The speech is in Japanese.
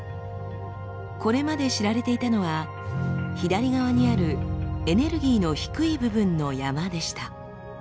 これまで知られていたのは左側にあるエネルギーの低い部分の山でした。